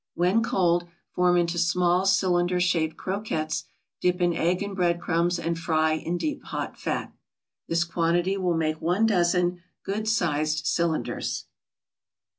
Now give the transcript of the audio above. When cold, form into small cylinder shaped croquettes, dip in egg and bread crumbs, and fry in deep hot fat. This quantity will make one dozen good sized cylinders.